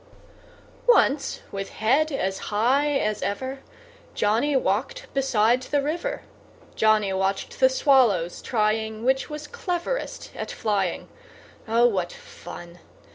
Once, with head as high as ever, Johnny walked beside the river. Johnny watched the swallows trying Which was cleverest at flying. Oh! what fun!